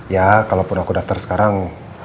ya kalaupun aku daftar sekarang